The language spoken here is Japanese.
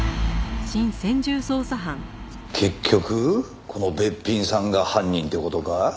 結局このべっぴんさんが犯人って事か？